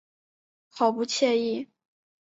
好不惬意